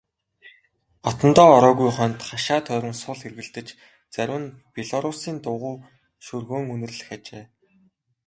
Хотондоо ороогүй хоньд хашаа тойрон сул эргэлдэж зарим нь белоруссын дугуй шөргөөн үнэрлэх ажээ.